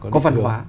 có văn hóa